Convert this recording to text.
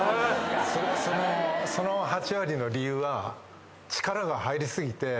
その８割の理由は力が入り過ぎて。